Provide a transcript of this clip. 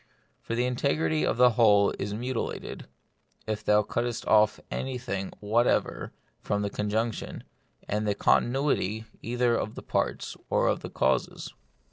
For the integrity of the whole is mutilated, if thou cuttest off anything whatever from the conjunction, and the continuity either of the parts or of the causes.